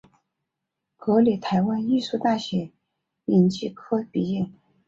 国立台湾艺术大学影剧科毕业。